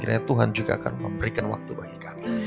kira kira tuhan juga akan memberikan waktu bagi kami